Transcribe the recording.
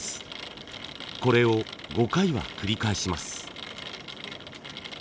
これを５回は繰り返します。